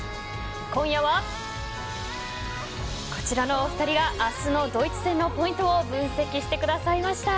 今夜はこちらのお二人が明日のドイツ戦のポイントを分析してくださいました。